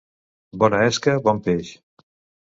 Bona esca, bon peix.